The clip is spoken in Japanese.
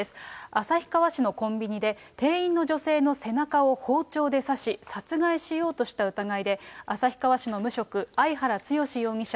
旭川市のコンビニで、店員の女性の背中を包丁で刺し、殺害しようとした疑いで、旭川市の無職、相原強志容疑者